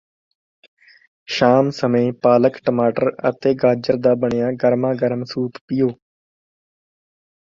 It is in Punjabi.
ਸ਼ਾਮ ਸਮੇਂ ਪਾਲਕ ਟਮਾਟਰ ਅਤੇ ਗਾਜਰ ਦਾ ਬਣਿਆ ਗਰਮਾਗਰਮ ਸੂਪ ਪੀਓ